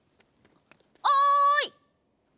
おい！